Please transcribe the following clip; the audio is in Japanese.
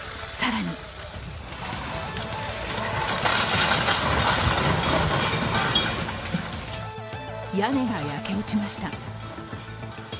更に屋根が焼け落ちました。